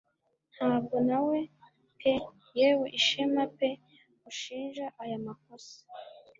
Ntabwo nawe pe yewe Ishema pe ushinja aya makosa